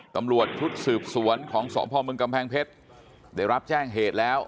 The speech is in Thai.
ตำรวจชุดสืบสวนของสพมกำแพงเพชรได้รับแจ้งเหตุแล้ว